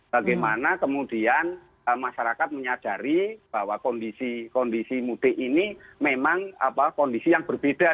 bagaimana kemudian masyarakat menyadari bahwa kondisi mudik ini memang kondisi yang berbeda